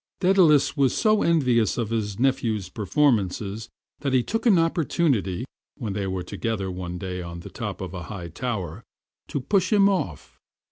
Daedalus was so envious of his nepnew's performances that he took an opportunity, when they were together one day on the top of a high tower, to push him off.